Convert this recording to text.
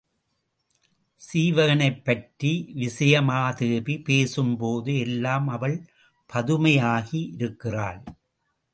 சீவகனைப் பற்றி விசயமாதேவி பேசும் போது எல்லாம் அவள் பதுமையாகி இருக்கிறாள்.